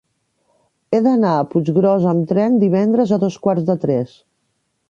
He d'anar a Puiggròs amb tren divendres a dos quarts de tres.